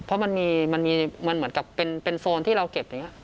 เพราะมันมีเหมือนกับเป็นโซนที่เราเก็บอย่างนี้